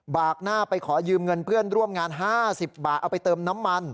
กหน้าไปขอยืมเงินเพื่อนร่วมงาน๕๐บาทเอาไปเติมน้ำมัน